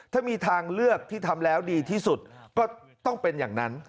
ถ้ามีทางเลือกที่ทำแล้วดีที่สุดก็ต้องเป็นอย่างนั้น